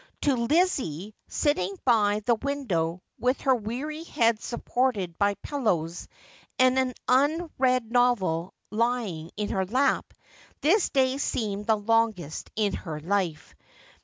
To Lizzie, sitting by the window, with her weary head supported by pillows, and an un read novel lying in her lap, this day seemed the longest in her life.